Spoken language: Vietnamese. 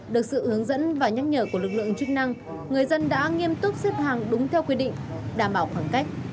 được sự hướng dẫn và nhắc nhở của lực lượng chức năng người dân đã nghiêm túc xếp hàng đúng theo quy định đảm bảo khoảng cách